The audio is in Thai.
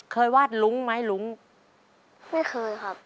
วาดลุ้งไหมลุงไม่เคยครับ